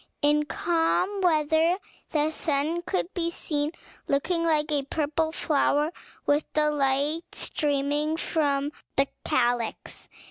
In calm weather the sun could be seen, looking like a purple flower, with the light streaming from the calyx.